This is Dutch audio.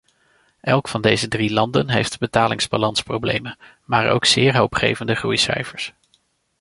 Elk van deze drie landen heeft betalingsbalansproblemen, maar ook zeer hoopgevende groeicijfers.